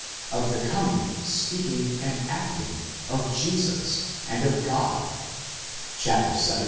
of the coming, speaking, and acting, of Jesus, and of God (vii.